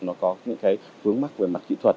nó có những cái vướng mắc về mặt kỹ thuật